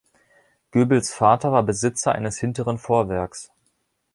Göbels Vater war Besitzer eines hinteren Vorwerks.